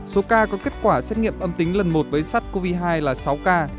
số ca có kết quả xét nghiệm âm tính lần một với sát covid hai là sáu ca